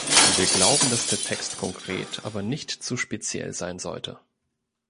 Wir glauben, dass der Text konkret, aber nicht zu speziell sein sollte.